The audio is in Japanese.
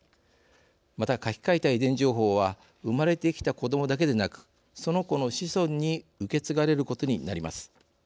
また、書き換えた遺伝情報は生まれてきた子どもだけでなくその子の子孫に受け継がれることになります。